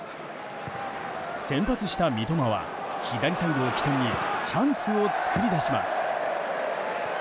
先発した三笘は左サイドを起点にチャンスを作り出します。